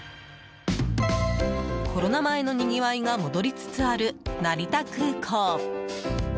コロナ前のにぎわいが戻りつつある成田空港。